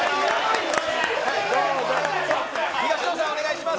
東野さん、お願いします。